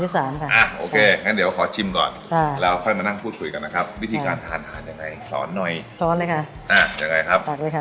สอนหน่อยสอนเลยค่ะอ่ายังไงครับตากเลยค่ะกินไว้เลยหรออ่า